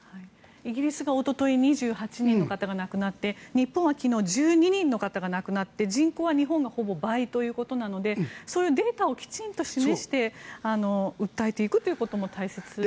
イギリスがおととい２８人の方が亡くなって日本は昨日１２人の方が亡くなって人口は日本がほぼ倍ということなのでそういうデータをきちんと示して訴えていくということも大切ですね。